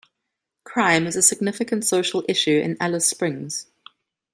Crime is a significant social issue in Alice Springs.